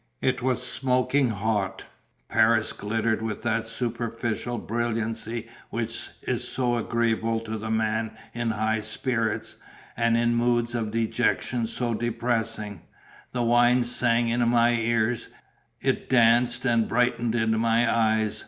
It was smoking hot; Paris glittered with that superficial brilliancy which is so agreeable to the man in high spirits, and in moods of dejection so depressing; the wine sang in my ears, it danced and brightened in my eyes.